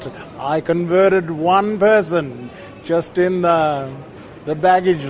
saya mengubah satu orang hanya di dalam bagajar